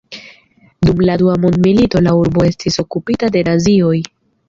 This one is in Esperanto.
Dum la Dua mondmilito la urbo estis okupita de nazioj.